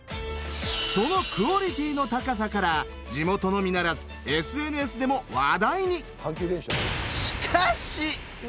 そのクオリティーの高さから地元のみならずＳＮＳでも話題に。